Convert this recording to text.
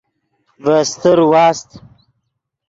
ڤے استر واست۔